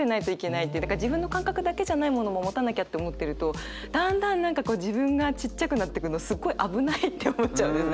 だから自分の感覚だけじゃないものも持たなきゃって思ってるとだんだん何かこう自分がちっちゃくなってくのすっごい危ないって思っちゃうんですね。